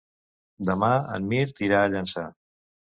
Demà en Mirt irà a Llançà.